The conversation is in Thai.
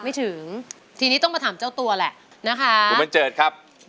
ไม่ถึงทีนี้ต้องมาถามเจ้าตัวแหละนะคะคุณบันเจิดครับ